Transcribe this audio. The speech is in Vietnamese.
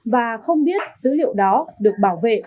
và không biết dữ liệu đó được bảo vệ